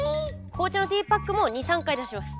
紅茶のティーパックも２３回出します。